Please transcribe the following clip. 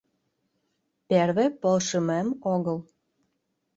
Первый полшымем огыл.